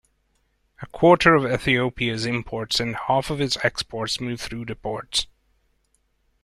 A quarter of Ethiopia’s imports and half of its exports move through the ports.